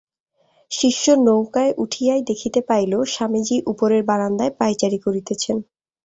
শিষ্য নৌকায় উঠিয়াই দেখিতে পাইল, স্বামীজী উপরের বারান্দায় পায়চারি করিতেছেন।